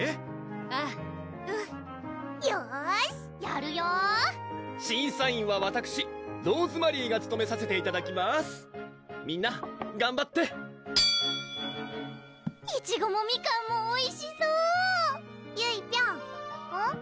ああうんよしやるよ審査員はわたくしローズマリーがつとめさせていただきますみんながんばっていちごもみかんもおいしそうゆいぴょんうん？